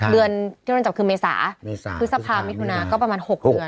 เดือนที่โดนจับคือเมษาพฤษภามิถุนาก็ประมาณ๖เดือน